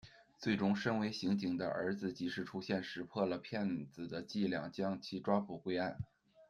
最终，身为刑警的儿子及时出现，识破了骗子的伎俩，将其抓捕归案。